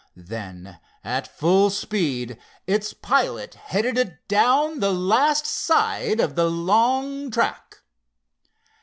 Then at full speed its pilot headed it down the last side of the long track.